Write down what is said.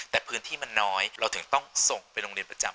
แต่พื้นที่มันน้อยเราถึงต้องส่งไปโรงเรียนประจำ